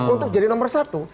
untuk jadi nomor satu